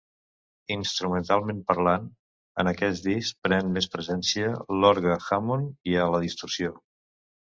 Instrumentalment parlant, en aquest disc pren més presència l'orgue Hammond i a la distorsió.